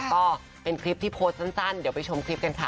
ก็เป็นคลิปที่โพสต์สั้นเดี๋ยวไปชมคลิปกันค่ะ